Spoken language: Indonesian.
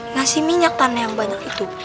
nasi minyak tanah yang banyak itu